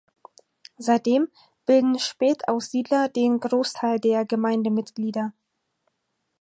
Seitdem bilden Spätaussiedler den Großteil der Gemeindemitglieder.